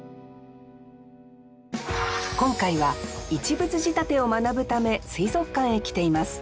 今回は「一物仕立て」を学ぶため水族館へ来ています。